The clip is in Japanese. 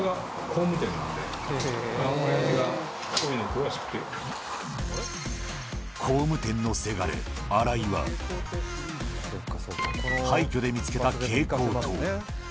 工務店のせがれ、荒井は、廃虚で見つけた蛍光灯。